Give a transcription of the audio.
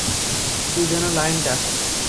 কী যেন লাইনটা?